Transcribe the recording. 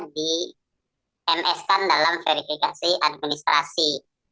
di ms kan dalam verifikasi administrasi